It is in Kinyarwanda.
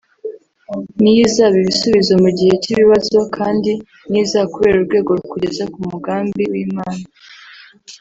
niyo izaba ibisubizo mu gihe cy' ibibazo kandi niyo izakubera urwego rukugeza ku mugambi w'Imana